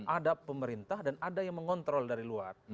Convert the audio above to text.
ada pemerintah dan ada yang mengontrol dari luar